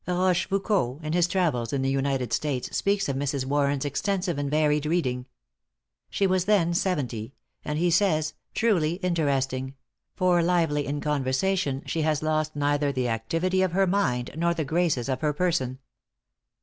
Rochefoucault, in his Travels in the United States, speaks of Mrs. Warren's extensive and varied reading. She was then seventy; and he says, "truly interesting; for, lively in conversation, she has lost neither the activity of her mind, nor the graces of her person."